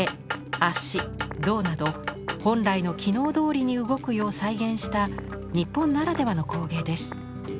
胴など本来の機能どおりに動くよう再現した日本ならではの工芸です。